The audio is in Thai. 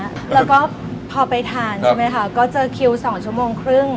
เหลือก็ถ้าพอไปทานใช่ม่ะคะก็เจอค่าสองชั่วโมงครึ่ง